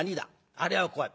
あれは怖い。